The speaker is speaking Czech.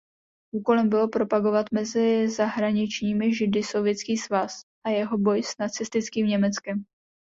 Úkolem bylo propagovat mezi zahraničními Židy Sovětský svaz a jeho boj s nacistickým Německem.